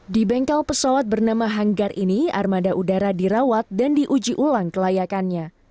di bengkel pesawat bernama hanggar ini armada udara dirawat dan diuji ulang kelayakannya